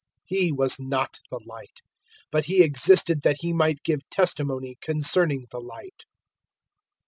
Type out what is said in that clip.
001:008 He was not the Light, but he existed that he might give testimony concerning the Light.